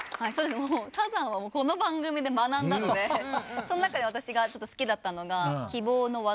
もうサザンはこの番組で学んだのでその中で私が好きだったのが『希望の轍』